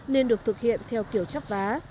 nên được thực hiện theo kiểu chấp vá